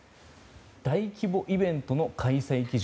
大規模イベントの開催基準。